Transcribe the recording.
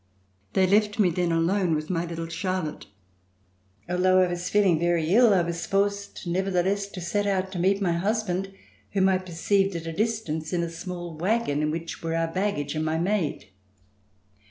They left me then alone with my little Charlotte. Although I was feeling very ill, I was forced nevertheless to set out to meet my husband whom I perceived at a distance in a small wagon in which were our baggage and my maid.